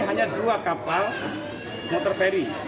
hanya dua kapal motor ferry